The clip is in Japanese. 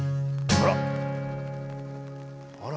あら！